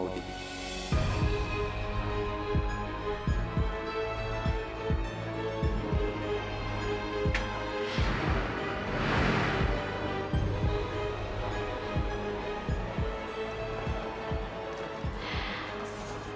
aku yakin banget